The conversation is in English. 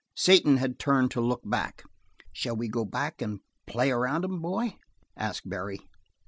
Satan had turned to look back. "Shall we go back and play around 'em, boy?" asked Barry.